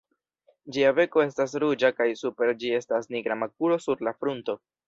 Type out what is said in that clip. Ĝia beko estas ruĝa kaj super ĝi estas nigra makulo sur la frunto.